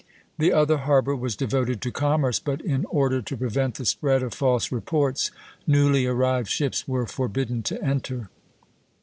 The other harbour was devoted to commerce, but, in order to prevent the spread of false reports, newly arrived ships were forbidden to enter.